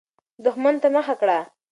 دښمن ته مخه کړه.